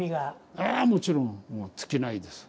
あもちろんもう尽きないです。